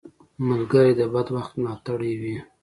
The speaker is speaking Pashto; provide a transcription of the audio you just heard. ملګری د بد وخت ملاتړی وي